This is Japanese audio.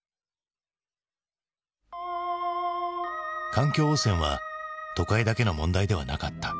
環境汚染は都会だけの問題ではなかった。